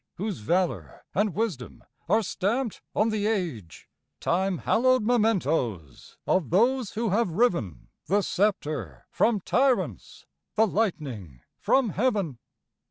Whose valor and wisdom Are stamped on the age! Time hallowed mementos Of those who have riven The sceptre from tyrants, "The lightning from heaven!"